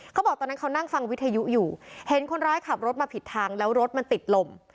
เขาบอกตอนนั้นเขานั่งฟังวิทยุอยู่เห็นคนร้ายขับรถมาผิดทางแล้วรถมันติดลม